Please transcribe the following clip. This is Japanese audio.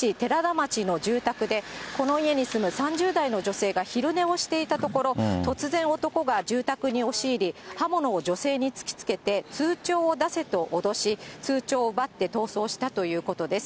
町の住宅で、この家に住む３０代の女性が昼寝をしていたところ、突然、男が住宅に押し入り、刃物を女性に突きつけて通帳を出せと脅し、通帳を奪って逃走したということです。